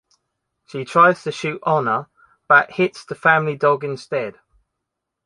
She tries to shoot Honor, but hits the family dog instead.